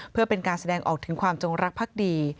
เพื่อเป็นการแสดงออกถึงความจงรักภักดี